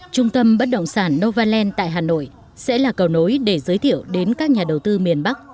trung tâm bất động sản novaland tại hà nội sẽ là cầu nối để giới thiệu đến các nhà đầu tư miền bắc